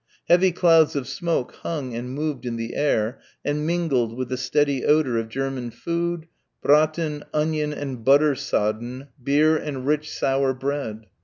Heavy clouds of smoke hung and moved in the air and mingled with the steady odour of German food, braten, onion and butter sodden, beer and rich sour bread.